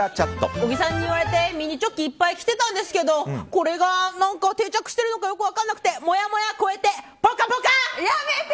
小木さんに言われてミニチョッキいっぱい着てたんですけどこれが、定着しているのかよく分からなくてもやもや超えてぽかぽか！